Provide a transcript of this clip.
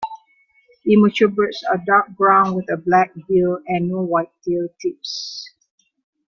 Immature birds are dark brown with a black bill and no white tail tips.